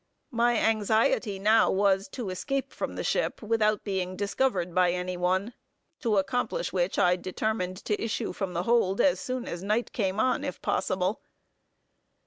My anxiety now was, to escape from the ship, without being discovered by any one; to accomplish which I determined to issue from the hold as soon as night came on, if possible.